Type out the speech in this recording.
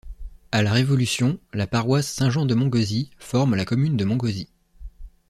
À la Révolution, la paroisse Saint-Jean de Mongauzy forme la commune de Mongauzy.